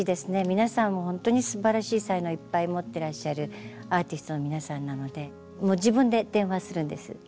皆さんほんとにすばらしい才能をいっぱい持ってらっしゃるアーティストの皆さんなのでもう自分で電話するんです。